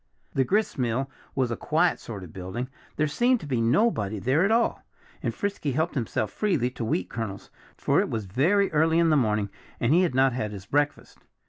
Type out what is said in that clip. The gristmill was a quiet sort of building. There seemed to be nobody there at all. And Frisky helped himself freely to wheat kernels, for it was very early in the morning and he had not had his breakfast.